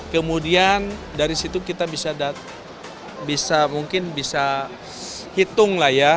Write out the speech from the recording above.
kemudian dari situ kita bisa mungkin bisa hitung lah ya